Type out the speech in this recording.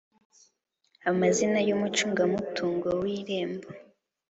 amazina y umucungamutungo wirembo